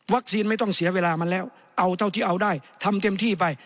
ไม่ต้องเสียเวลามันแล้วเอาเท่าที่เอาได้ทำเต็มที่ไป